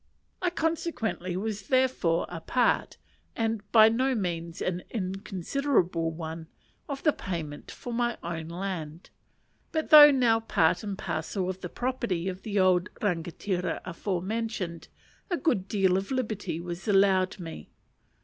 I consequently was therefore a part, and by no means an inconsiderable one, of the payment for my own land; but though now part and parcel of the property of the old rangatira aforementioned, a good deal of liberty was allowed me.